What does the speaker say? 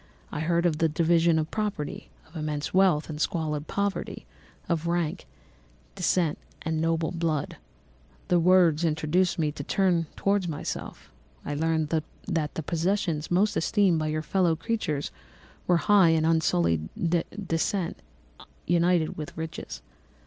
I heard of the division of property, of immense wealth and squalid poverty, of rank, descent, and noble blood. "The words induced me to turn towards myself. I learned that the possessions most esteemed by your fellow creatures were high and unsullied descent united with riches.